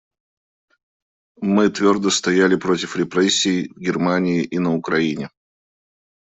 Мы твердо стояли против репрессий в Германии и на Украине.